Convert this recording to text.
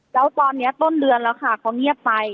แล้วตอนนี้ต้นเดือนแล้วค่ะเขาเงียบไป